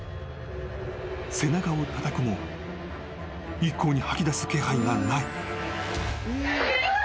［背中をたたくも一向に吐き出す気配がない］